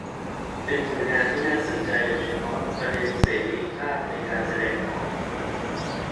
เป็นผลงานที่น่าสนใจโดยเฉพาะประเด็นเสรีภาในการแสดงออก